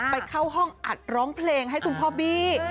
ไปเข้าห้องอัดร้องเพลงให้คุณพ่อบี้